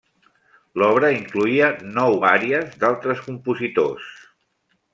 L'obra incloïa nou àries d'altres compositors.